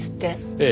ええ。